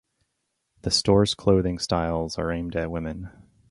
The store's clothing styles are aimed at women.